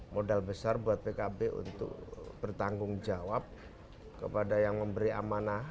modal besar buat pkb untuk bertanggung jawab kepada yang memberi amanah